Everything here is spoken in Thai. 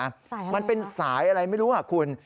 สายอะไรครับมันเป็นสายอะไรไม่รู้หรอกคุณ